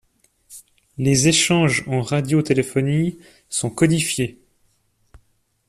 Les échanges en radiotéléphonie sont codifiés.